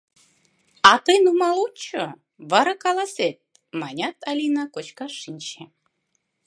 — А тый нумал ончо, вара каласет, — манят, Алина кочкаш шинче.